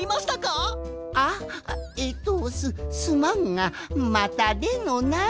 あえっとすすまんがまたでのな。